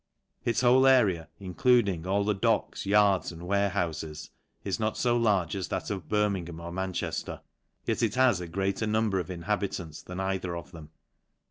ts whole area, including all the docks, yards, and tfarchoufes, is not fo large as that of Birmingham or Manchejier ; yet it has a greater number of inhabi :ants than either of them.